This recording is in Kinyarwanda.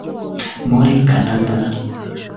muri Canada